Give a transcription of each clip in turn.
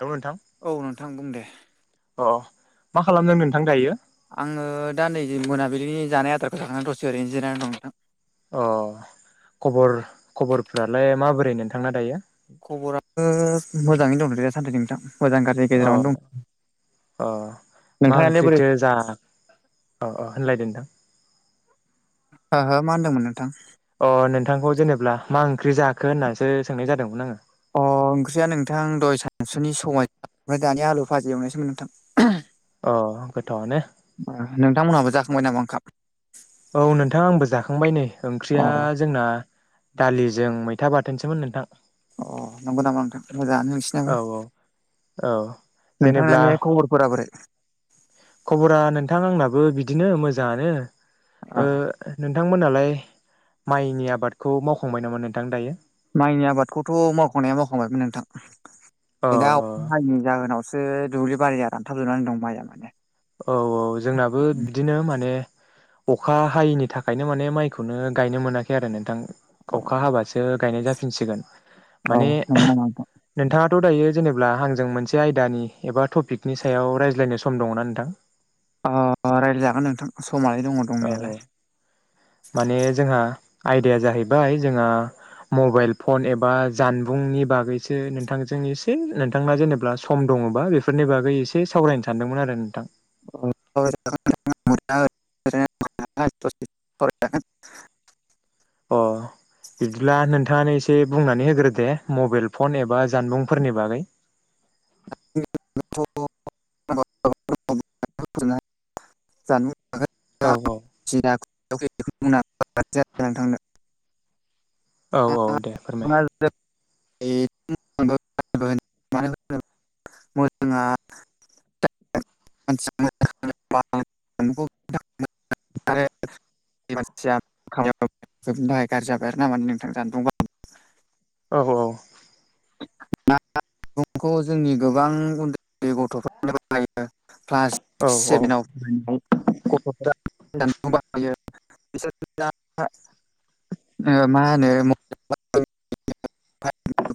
Hello नोंथां औ नोंथां बुं दे अ मा खालामदों नोंथां दायो? आङो दा नै मोनाबिलिनि जानाय आदारखौ जाखांना दसे ओरैनो जिरना दं नोंथां अ खबर खबरफ्रालाय माबोरै नोंथांना दायो? खबराबो मोजाङैनो दं दा सानदि नोंथां। मोजां गाज्रि अ गेजेरावनो दं अ मा नोंथाङालाय बोरै ओंख्रिथो जा अ होनलायदो नोंथां हा हो मा होनदोंमोन नोंथां? अ नोंथांखौ जेनेबा मा ओंख्रि जाखो होन्नानैसो सोंनाय जादोंमोन आङो अ ओंख्रिया नोंथां दहाय सानसुनि समाय ओमफ्राय दानि आलु भाजि एवनायसोममोन नोंथां। अ गोथावआनो बाय नामा ओंखाम औ नोंथां आंबो जाखांबाय नै अ ओंख्रिया जोंना दालिजों मैथ था बाथोनसोमोन नोंथां अ नंगौ नामा नोंथां मोजाङानो नोंसिनाबो औ औ औ जेनेब्ला नोंथांनानिहाय खबरफोरा बोरै? खबरा नोंथां आंनाबो बिदिनो मोजाङानो ओ नों थांमोनहालाय माइनि आबादखौ मावखांबाय नामा नोंथां दायो? माइनि आबादखौथ' मावखांनाया मावखांबायमोन अ नोंथां दा अ अखा हायैनि जाहोनावसो दुब्लि बखरिया रानथाब जोबनानै दं माइया माने औ औ जोंनाबो बिदिनो माने अखा हायैनि थाखायनो माने माइखौनो गायनो मोनाखै आरो नोंथां अ अखा हाबासो गायनाय जाफि सिगोन औ नंगौ नामा नोंथां थ' दायो जेनेब्ला आंजों मोनसे आयदानि एबा टपिकनि सायाव रायज्लायनो सम दङना नोंथां? अ रायज्लायजागोन नोंथां। समालाय दङ औ दंनायालाय। माने जोंहा आयदाया जाहैबाय जोंहा मबाइल फन एबा जानबुंनि बागैसो नोंथांजों एसे नोंथांना जेनेबा सम द ङोबा बेफोरनि बागै एसे सावरायनो सानदोंमोन आरो नोंथां। [inaudible] अ बिबदिब्ला नोंथाङानो एसे बुंनानै होग्रो दे मबाइल फन एबा जानबुंफोरनि बागै। [inaudible] [unintelligible] औ [unintelligible] औ दे फोरमाय [unintelligible] [unintelligible] [unintelligible] [unintelligible] थाखाय गाज्रि जाबाय आरो ना माने नोंथां जानबुं [unintelligible] औ औ [unintelligible] बुंखौ जोंनि गोबां उन्दै उन्दै गथ'फ्रानो [unintelligible] क्लास सिक्स सेभेनाव फरायनायाव गथ'फोरा [unintelligible] ओ मा होनो [unintelligible]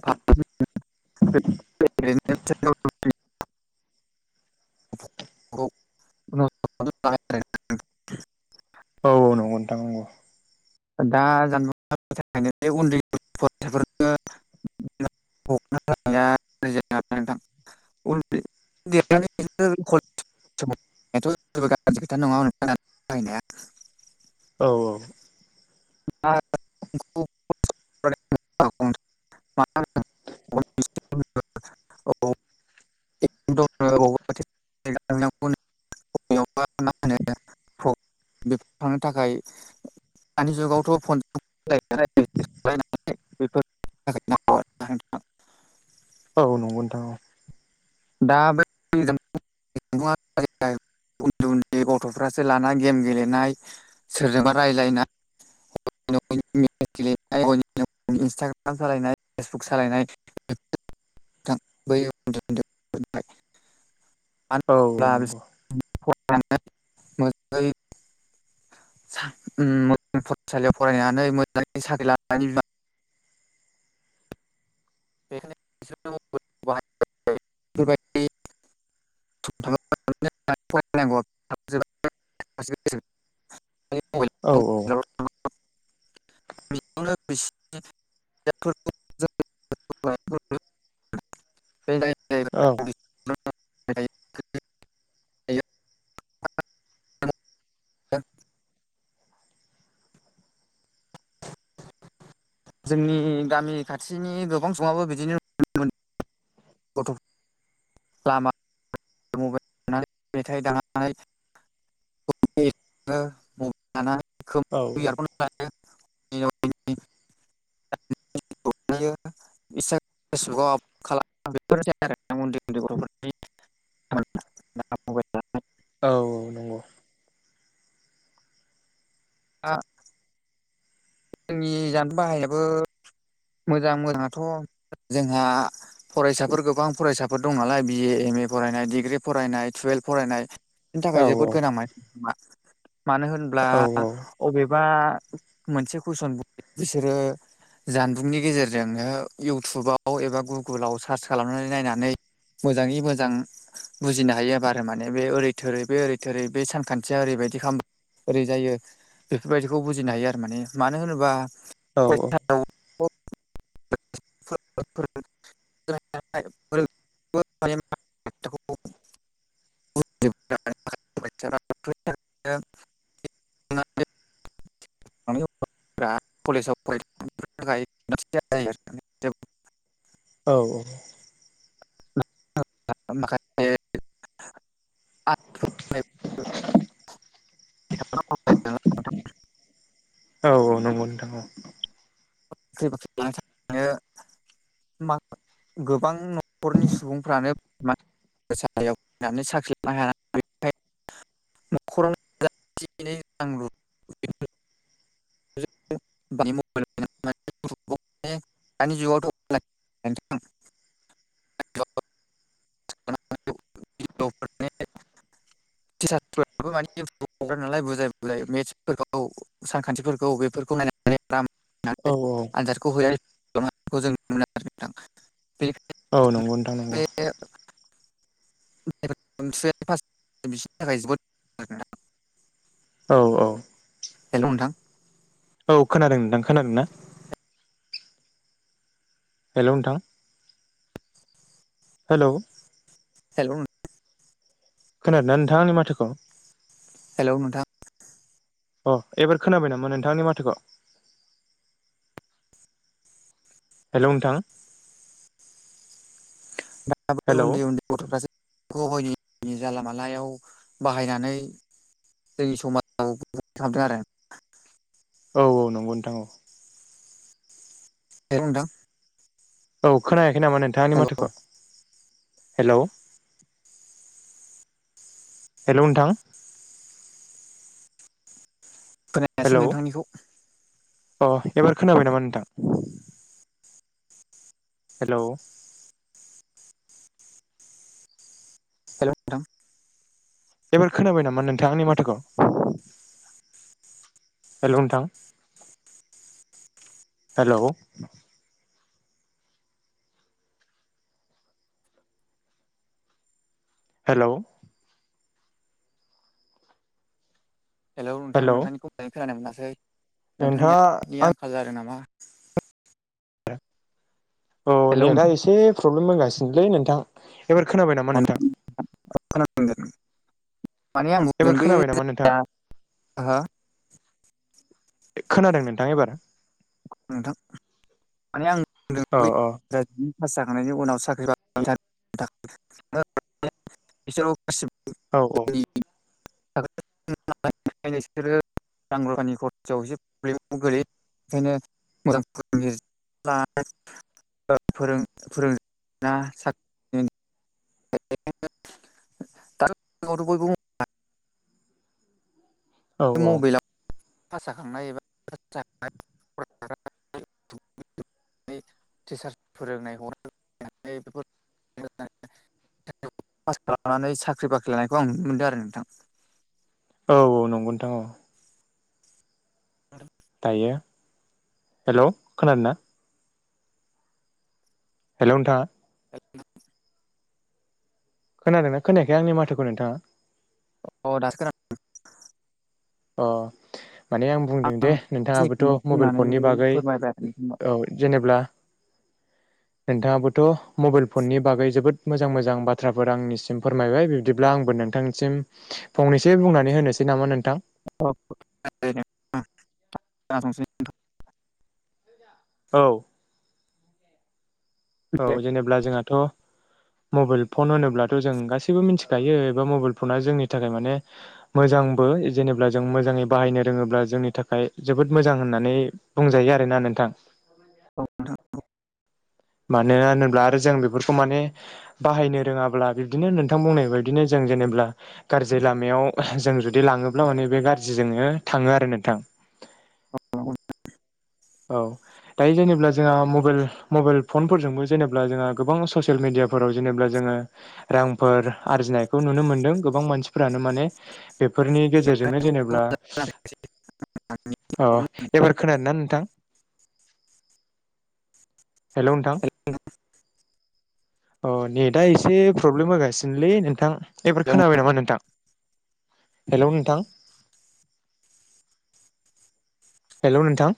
[unintelligible] औ औ नंगौ नोंथां नंगौ। दा जान थाख [unintelligible] [unintelligible] [unintelligible] [unintelligible] नायाथ' जेबो गाज्रि खोथा नङा [unintelligible] बाहायनाया औ औ [unintelligible] [unintelligible] [unintelligible] बबेयाव बा मा होनो बेफ थांनो थाखाय दानि जुगावथ' फन [unintelligible] [unintelligible] औ नंगौ नोंथां औ दा [unintelligible] उन्दै उन्दै गथ'फ्रासो लाना गेम गेलेनाय सोरजोंबा रायज्लायनाय [inaudible] [unintelligible] इन्सटाग्राम सालायनाय फेसबुक सालायनाय [unintelligible] [unintelligible] औ नंगौ [unintelligible] ओम [unintelligible] सालियाव फरायनानै मोजाङै साख्रि लानायानानै बिमा [unintelligible] [unintelligible] औ औ [unintelligible] [unintelligible] औ [unintelligible] जोंनि गामि खाथिनि गोबां समङाबो बिदिनो नुनो [unintelligible] गथ' लामा मबे ना मेथाय दामनाय औ [unintelligible] [unintelligible] [inaudible] [unintelligible] [unintelligible] औ औ नंगौ। हा जोंनि जामबुं बाहायाबो मोजां मोजाङाथ' जोंहा फरायसाफोर गोबां फरायसाफोर दं नालाय बिए एम ए फरायनाय डिग्रि फरायनाय टुवेल्भ फरायनाय बिनि औ थाखाय औ जोबोद गोनां। मानो होनब्ला अबेबा मोनसे कुइसन बिसोरो जानबुंनि गेजेरजोंनो इउटुबाव एबा गुगोलाव सार्च खालामनानै नायनानै मोजाङै मोजां बुजिनो हायो बार माने बे ओरै थोरै बे ओरै थोरै बे सानखान्थिया ओरैबायदि जायो बेफोरबायदिखौ बुजिनो हायो आरो माने मानो होनोबा औ औ‌ अख [unintelligible] फोर [inaudible] [unintelligible] म [unintelligible] [unintelligible] औ औ। माखा [unintelligible] [inaudible] लानो औ औ नंगौ नोंथां। बाख्रि बाख्रि जो [unintelligible] गोबां न'खरनि सुबुंफ्रानो फरायसालियाव फनानै साख्रि लानो हाया। न'खरावथिै रां रु [unintelligible] मबल [unintelligible] दानि जुगावथ' [unintelligible] आ [unintelligible] [unintelligible] म्रा नालाय बुजाय बुजाय मेट्सफोरखौ सानखान्थिफोरखौ बेफोरखौ नायनानै आरो न औ औ आनजादखौ हो खालाम जों नुनो मोनो आरो नोंथां। [unintelligible] औ नंगौ नोंथां नंगौ। बिसनि थाखाय जोबोद आ [unintelligible] औ औ। हेल' नोंथां। औ खोनादों नोंथां खोनादों ना? हेल' नोंथां! हेल' हेल' खोनादों ना नोंथां आंनि माथोखौ? हेल' नोंथां अ एबार खोनाबाय नामा नोंथांआआंनि माथोखौ? हेल' नोंथां हेलौ उन्दै उन्दै गथ'फ्रासो जानला मानलायाव बाहायनानै जोंनि समाजाव खालामदों आरो। [unintelligible] औ औ नंगौ नोंथां औ। नोंथां। [inaudible] औ खोनायाखै नामा नोंथांआआंनि हेल' माथोखौ? हेल' हेल' नथां खोनायासै नोंथांनिखौ। अ एबार खोनाबाय नामा नोंथां? हेल' हेल' नोंथां एबार खोनाबाय नामा नोंथां आंनि माथोखौ? हेल' नोंथां हेल' हेल' हेलौ नोंथां नोंथांनिखौलानि खोनानो मोनासै नोंथाङा नोंथांनिया [unintelligible] आंखाल जादों नामा? औ हेल' नेटआ नोंथां एसे प्रब्लेम होगासिनोलै नोंथां। एबार खोनाबाय नामा नोंथां? खोनादों माने आं बुंदों एबार बे खोनाबाय नामा नोंथाङा [unintelligible] खोनादों नोंथां एबार? नोंथां माने आं बुंदों औ बै औ जाय पास जाखांनायनि उनाव साख्रि [unintelligible] औ औ जोंनि [unintelligible] रां रुफानि खरसायाव एसे प्रब्लेमाव गोलैयो बेओंखायनो मोजां फोर [unintelligible] [unintelligible] औ औ भासा जाखांनाय एबा [unintelligible] [unintelligible] [unintelligible] पास खालामनानै साख्रि बाख्रि लानायखौ आं नुनो मोनदों आरो नोंथां औ औ नंगौ नथां औ [unintelligible] दायो हेल' खोनादों ना? हेल' नोंथाङा [unintelligible] खोनादोंना खोनायाखै आंनि माथोखौ नोंथाङा? अ दासो खोनादों। अह माने आं बुंदों दे नोंथाङाबोथ' खिनिखौनो मबाइल बुंनानै फननि बागै फोरमायबाय आरो नोंथांनो औ जेनेब्ला [inaudible] नोंथाङाबोथ' मबाइल फननि बागै जोबोद मोजां मोजां बाथ्राफोर आंनिसिम फोरमायबाय बिब्दिब्ला आंबो नोंथांनिसिम फंनैसो बुंनानै होनोसै नामा नोंथां? [unintelligible] औ औ जेनेबा जोंहाथ' मबाइल फन होनोब्लाथ' जों गासैबो मिथिखायो एबा मबाइल फना जोंनि थाखाय माने मोजांबो जेनेब्ला जों मोजाङै बाहायनो रोङोब्ला जोंनि थाखाय जोबोद मोजां होननानै बुंजायो आरोना नोंथां। [inaudible] औ नोंथां बुं [unintelligible] होनोब्ला आरो जों बेफोरखौ माने बाहायनो रोङाब्ला बिदिनो नोंथां बुंनाय बायदिनो जों जेनेब्ला गाज्रि लामायाव जों जुदि लाङोब्ला माने बे गाज्रिजोंनो थाङो आरो नोंथां। [inaudible] औ दायो जेनेबा जोंहा मबाइल मबाइल फनफोरजोंबो जेनेबा जोंहा गोबां ससियेल मिडिया फोराव जेनेब्ला जोङो रांफोर आरजिनायखौ नुनो मोनदों गोबां मानसिफोरानो माने बेफोरनि गेजेरजोंनो जेनेब्ला अ एबार खोनादों ना नोंथां? हेल' नोंथां अ नेटआ एसे प्रब्लेम होगासिनोलै नोंथां एबार खोनाबाय नामा नोंथां? हेलौ नोंथां हेलौ नोंथां